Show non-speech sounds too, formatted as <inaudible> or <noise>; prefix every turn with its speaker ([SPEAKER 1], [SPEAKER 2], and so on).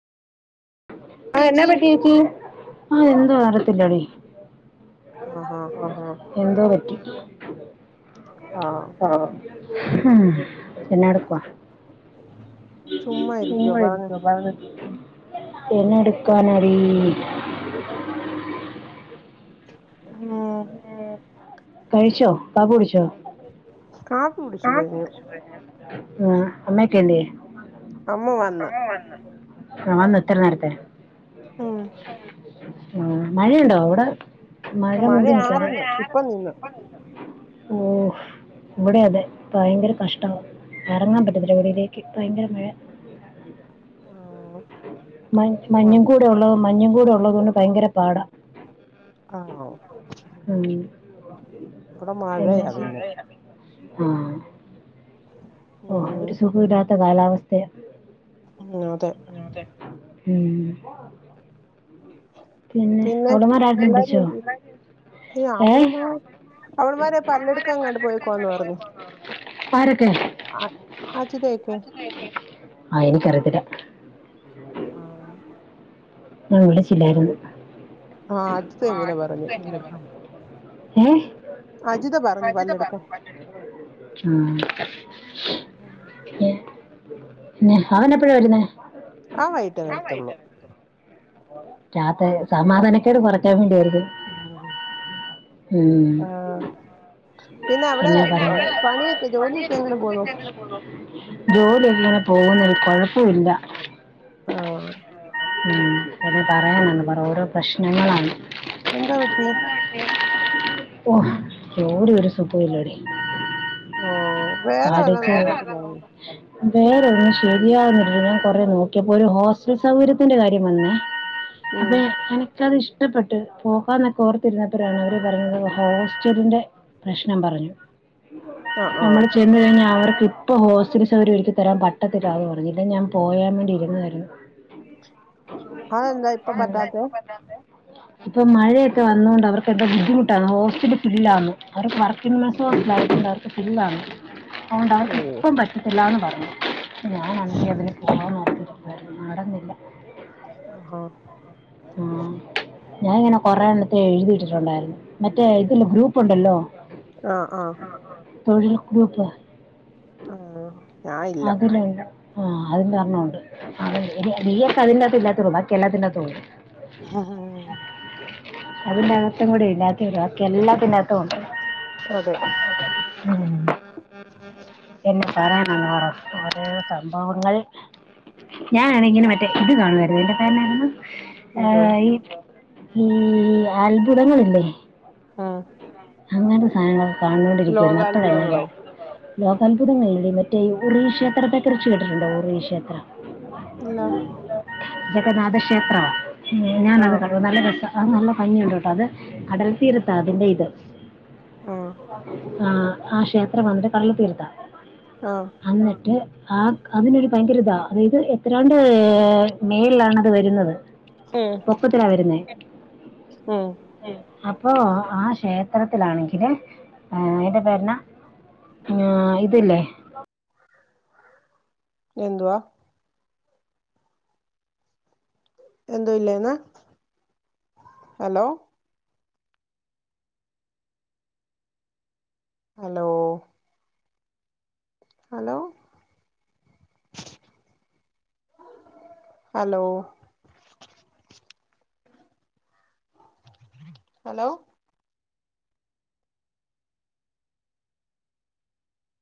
[SPEAKER 1] ആ എന്നാ പറ്റി ചേച്ചി ആ എന്തോ അറിയത്തില്ലെടീ
[SPEAKER 2] ആഹാ
[SPEAKER 1] ആഹ് എന്തോ പറ്റി ആഹ് ഉം എന്നാടുക്കുവാ
[SPEAKER 2] ചുമ്മാ ഇരിക്കുവ പറഞ്ഞോ
[SPEAKER 1] ചുമ്മായിരിക്കുവാ <unintelligible> എന്നാ എടുക്കാൻ ആടി
[SPEAKER 2] ഇമ്മോ
[SPEAKER 1] കഴിച്ചോ കാപ്പി കുടിച്ചോ
[SPEAKER 2] കാപ്പി കുടിച്ചു
[SPEAKER 1] ആ
[SPEAKER 2] കഴിഞ്ഞു
[SPEAKER 1] അമ്മക്കെന്ത്യേ
[SPEAKER 2] അമ്മ വന്ന്
[SPEAKER 1] ആ ന്ന് ഇത്രനേരത്തെ
[SPEAKER 2] ഉം
[SPEAKER 1] ആ മഴയുണ്ടോ അവിടെ മഴ മൂടി നക്കാറ മഴ
[SPEAKER 2] മഴയാരുന്നു
[SPEAKER 1] ആയിര്ന്ന്
[SPEAKER 2] ഇപ്പം നിന്ന്
[SPEAKER 1] <unintelligible> ഓ ഇവിടെ അതെ ഭയങ്കര കഷ്ടമാ എ റങ്ങാൻ പറ്റതില്ല ഇവിടിയിലേക്ക് ഭയങ്കര മഴ <inaudible>
[SPEAKER 2] ആഹ് മ
[SPEAKER 1] മഞ്ഞും കൂടെ ഉള്ളത മഞ്ഞും കൂടെ ഉള്ളതൊണ്ട് ഭയങ്കര പാടാ
[SPEAKER 2] ആഹ്
[SPEAKER 1] ഉം
[SPEAKER 2] ഇവിടെ മഴയാ പിന്നെ
[SPEAKER 1] ആഹ ഓ
[SPEAKER 2] ഉം
[SPEAKER 1] ഒരു സുഖമില്ലാത്ത കാലാവസ്ഥയാ
[SPEAKER 2] ഉ അതെ
[SPEAKER 1] ഉ പിന്നെ അവവിടെമാര ആരും
[SPEAKER 2] എല്ലാരും
[SPEAKER 1] വിളിച്ചോ
[SPEAKER 2] എന്തിയെ ഏഹ് അവള്മാ അവള്മാരെ പല്ലെടുക്കാങ്ങാണ്ട്
[SPEAKER 1] <unintelligible> ആര്
[SPEAKER 2] അ അച്തക്കേ
[SPEAKER 1] ആയിന കരുതില്ല
[SPEAKER 2] ആഹ
[SPEAKER 1] ആ വിളിച്ചില്ലായിരുന്നു
[SPEAKER 2] ആ അജിത ഇങ്ങനെ പറഞ്ഞു
[SPEAKER 1] ഏ
[SPEAKER 2] അജിത പറഞ്ഞു
[SPEAKER 1] അജിത പറ?
[SPEAKER 2] പല്ലെടുക്കാൻ
[SPEAKER 1] <unintelligible> ഏ പിന്നെ അവൻ എപ്പഴാ വരുന്ന
[SPEAKER 2] ആ വൈകിട്ടെ വരത്തുള്ളൂ
[SPEAKER 1] ചത്ത സമാധാനക്കട് ക്കൊറക്കാൻ വേണ്ടിയായിരുന്നു
[SPEAKER 2] ഉ
[SPEAKER 1] ഉം.
[SPEAKER 2] ആഹ പിന്നെ അവിടെ
[SPEAKER 1] എന്നാ പറയാ
[SPEAKER 2] പണിയൊക്കെ ജോലിയൊക്കെ എങ്ങനെ പോന്നു
[SPEAKER 1] ജോലിയൊക്കെ ഇങ്ങനെ പോകുന്നു കൊഴപ്പവില്ല
[SPEAKER 2] ആഹ
[SPEAKER 1] ആ പറയാനുണ്ട് ഓരോ പ്രേശ്നങ്ങളാണ്
[SPEAKER 2] എന്താ വെട്ടി?
[SPEAKER 1] ഓ ജോലി ഒരു സുഖമില്ലെടി
[SPEAKER 2] ഓ
[SPEAKER 1] <unintelligible>
[SPEAKER 2] വേറെ വല്ല
[SPEAKER 1] പഠിച്ച
[SPEAKER 2] നോക്കത്തില്ലായിരുന്നു
[SPEAKER 1] വേറെ ഒന്നന്ന് ശരിയാവില്ല ഞാൻ കൊറെ നോക്കിയപ്പോൊ ഒരു ഹോസ്റ്റൽ സൗകര്യത്തിന്റെ കാര്യം വന്നേ
[SPEAKER 2] ഉം
[SPEAKER 1] അതെ എന എനിക്കത് ഇഷ്ടപ്പെട്ട് പോകാന്നൊക്കെ ഓർത്തിരുന്നപ്പോരാണ് അവർ പറഞ്ഞത് ഹോസ്റ്റലിന്റെ പ്രശ്നം പറഞ്ഞു
[SPEAKER 2] ആഹ് ആഹ്
[SPEAKER 1] നമ്മള് ചെയതു കഴിഞ്ഞാൽ അവർക്ക് ഇപ്പൊ ഹോസ്റ്റിന സൗകര്യം എനിക്ക് തരാൻ പറ്റത്തില്ലാെന്ന് പറഞ്ഞുല്ല ഞാൻ പോയാൻ വേണ്ടി ഇരുന്നായിരുന്നു
[SPEAKER 2] അതെന്താ ഇപ്പൊ പറ്റാത്തെ
[SPEAKER 1] വന്തക്കന്നത്തെ <unintelligible> ഇപ്പൊ മഴയൊക്കെ വന്നകൊണ്ട് അവർക്കെന്തോ ബുദ്ധിമുട്ടാണ് ഹോസ്റ്റല ഫില്ലാന്ന് അവർക്ക് വർ
[SPEAKER 2] ഓ
[SPEAKER 1] അതുകൊണ്ടവർക്ക് ഇപ്പം പറ്റത്തില്ലാന്ന് പറഞ്ഞു ഞാൻ ആണെങ്കിൽ അതിന് പോകണോന്ന് കരുതിയതാ നടന്നില്ല
[SPEAKER 2] ആഹ
[SPEAKER 1] ആഹ ഞാാനിങ്ങനെ കൊറെ എണ്ണത്തെ എഴുതിയിട്ടിട്ടുണ്ടായിരുന്നു മറ്റേ ഇതില്ലാം ഗ്രൂപ്പ് ഉണ്ടല്ലോ?
[SPEAKER 2] ആഹ് ആഹ
[SPEAKER 1] തൊഴിൽ ഗ്രൂപ്പ്‌
[SPEAKER 2] ആഹ ഞാന ഇല്ല
[SPEAKER 1] ആഹ അതിലൊരെണ്ണം ഉണ്ട്. നീയൊക്കെ അതിനകത്തു ഇല്ലാത്ത ഉള്ളു ബാക്കി എല്ലാത്തിലുമുണ്ട്.
[SPEAKER 2] ആഹ്ഹ
[SPEAKER 1] അതിന്റെ അകത്തും കൂടി ഇല്ലാത്തെ ബാക്കി എല്ലാത്തിനകത്തും ഉണ്ട്
[SPEAKER 2] അതെ
[SPEAKER 1] ഉ <inaudible> പിന്നെ പറയാനാണ് പറ ഒരോ സംഭവങ്ങൾ. ഞാനാണ് ഇങ്ങനെ മറ്റേ ഇത് കാണുമായിരുന്നു. <unintelligible> ആ
[SPEAKER 2] എന്തോ
[SPEAKER 1] ഈ മ്മ് അത്ഭുതങ്ങളല്ലേ?
[SPEAKER 2] ആഹ്.
[SPEAKER 1] അങ്ങനെ സാധനങ്ങളൊക്കെ കാണോണ്ടിരികാരുന്നു അപ്പഴാ ഇങ്ങനെ.
[SPEAKER 2] ലോകാത്ഭുതങ്ങളോ
[SPEAKER 1] ലോകാത്ഭുതങ്ങളില് നിന്ന് മറ്റേ ഉറവി ക്ഷേത്രത്തെ കുറിച്ച് കേട്ടിട്ടുണ്ടോ ഉറവി ക്ഷേത്ര.
[SPEAKER 2] ഇല്ല
[SPEAKER 1] ജഗന്നാഥക്ഷേത്രവാ. ഞാന് അത്
[SPEAKER 2] ആഹ്
[SPEAKER 1] കണ്ടു നല്ല രസ ആ നല്ല ഭംഗിയുണ്ട് കേട്ടോ അത് കടൽ തീരത്താ അതിന്റെ ഇത്.
[SPEAKER 2] ആഹ്
[SPEAKER 1] ആഹ് ആ ക്ഷേത്രം വന്നിട്ട് കടൽ തീരാത്ത.
[SPEAKER 2] ആഹ്
[SPEAKER 1] അന്ന്ട്ട്. ആ അതിനൊരു ഭയങ്കര ഇതാ അതായത് എത്രാണ്ട് മേൾ ആണത് വരുന്നത്.
[SPEAKER 2] ഉം
[SPEAKER 1] പൊക്കത്തിലാ വരുന്നേ
[SPEAKER 2] ഉം
[SPEAKER 1] അപ്പൊ ആ ക്ഷേത്ര. ഇത്തരത്തിലാണെങ്കിൽ എന്റെറ ബര്ണ ആ ഇതില്ലേ.
[SPEAKER 2] എന്തുവാ. എന്തോ ഇല്ലേന്ന് hello. Hello. Hello. Hello. Hello.